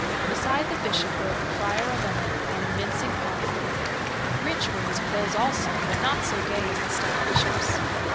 Beside the Bishop rode the Prior of Emmet upon a mincing palfrey. Rich were his clothes also, but not so gay as the stout Bishop's.